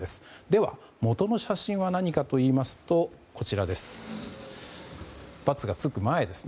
では元の写真は何かといいますとこちらです。